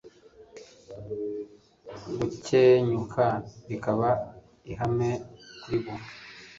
gukenyuka bikaba ihame kuribo